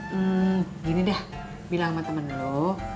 hmm gini deh bilang sama temen lo